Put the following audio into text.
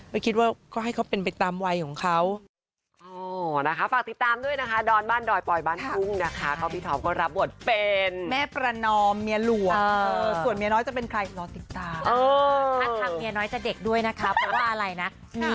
ไม่คิดว่าก็ให้เขาเป็นไปตามวัยของเขา